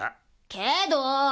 けど。